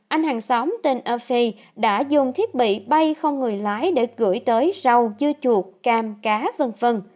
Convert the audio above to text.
anh hàng xóm tên offi đã dùng thiết bị bay không người lái để gửi tới rau dưa chuột cam cá v v